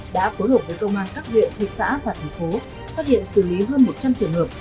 đã phối hợp với công an các huyện thị xã và thành phố phát hiện xử lý hơn một trăm linh trường hợp